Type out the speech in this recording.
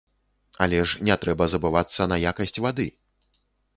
Але ж не трэба забывацца на якасць вады.